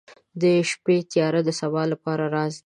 • د شپې تیاره د سبا لپاره راز لري.